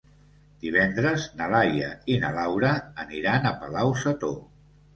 Divendres na Laia i na Laura aniran a Palau-sator.